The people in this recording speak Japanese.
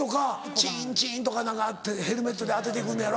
チンチンとか何かあってヘルメットで当てて行くんやろ？